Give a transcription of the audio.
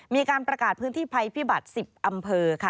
มีการประกาศพื้นที่ภัยพิบัติ๑๐อำเภอค่ะ